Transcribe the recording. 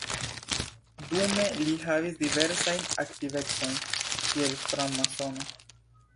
Dume li havis diversajn aktivecojn kiel framasono.